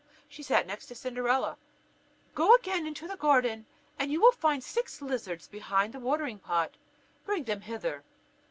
She next said to Cinderella: "Go again into the garden, and you will find six lizards behind the watering pot; bring them hither."